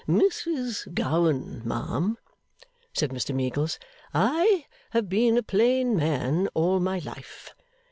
'Mrs Gowan, ma'am,' said Mr Meagles, 'I have been a plain man all my life.